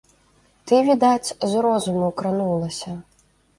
Ты, відаць, з розуму кранулася.